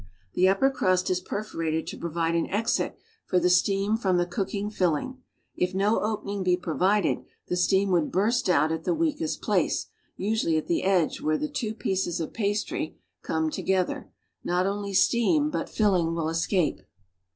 The upper crust is perforated to provide an exit for tlie steam from the cooking tilling; if no opening l)e ])ro\ ided, the steam would burst out at the weakest place, usually at the edge where the two jiieces of pastry come together; "iiol only steam, but filling will escape.